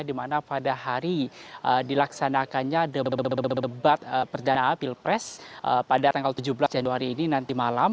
di mana pada hari dilaksanakannya debat perdana pilpres pada tanggal tujuh belas januari ini nanti malam